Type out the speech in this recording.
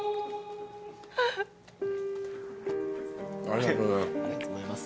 ありがとうございます。